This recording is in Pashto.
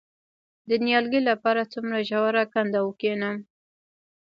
د نیالګي لپاره څومره ژوره کنده وکینم؟